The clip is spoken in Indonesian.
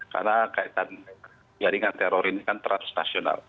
karena kaitan jaringan teror ini kan transnasional